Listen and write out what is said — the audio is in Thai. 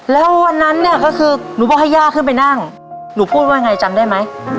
แล้ววันนั้นเนี่ยก็คือหนูบอกให้ย่าขึ้นไปนั่งหนูพูดว่าไงจำได้ไหม